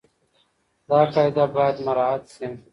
دا قاعده بايد مراعت شي.